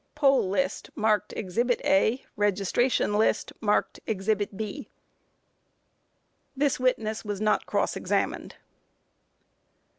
[Poll list marked Ex. "A." Registration list, marked Ex. "B."] [This witness was not cross examined.